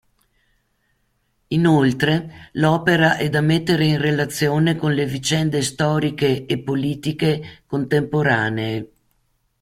Inoltre, l'opera è da mettere in relazione con le vicende storiche e politiche contemporanee.